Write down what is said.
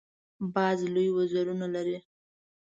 باز لوی وزرونه لري